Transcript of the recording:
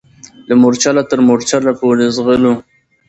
له مورچله تر مورچله پوري ځغلو